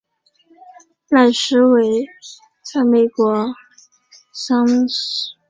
赖斯为位在美国堪萨斯州克劳德县的非建制地区。